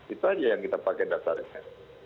itu aja yang kita pakai dasarnya